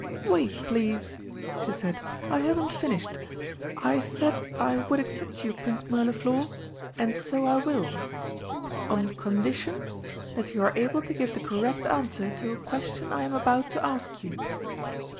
"Wait, please!" she said; "I haven't finished. I said I would accept you, Prince Mirliflor, and so I will on condition that you are able to give the correct answer to a question I am about to ask you."